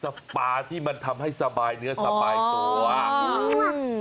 สปาที่มันทำให้สบายเนื้อสบายตัวอืม